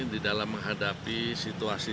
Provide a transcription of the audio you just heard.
di dalam menghadapi situasi